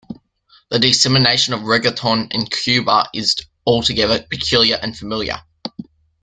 The dissemination of reggaeton in Cuba is altogether peculiar and familiar.